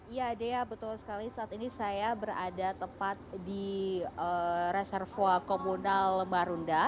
ya dea betul sekali saat ini saya berada tepat di reservoir komunal marunda